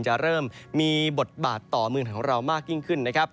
จะเริ่มมีบทบาทต่อเมืองของเรามากยิ่งขึ้นนะครับ